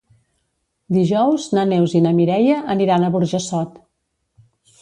Dijous na Neus i na Mireia aniran a Burjassot.